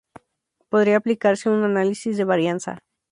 Podría aplicarse un análisis de varianza.